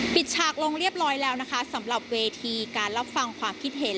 ฉากลงเรียบร้อยแล้วนะคะสำหรับเวทีการรับฟังความคิดเห็น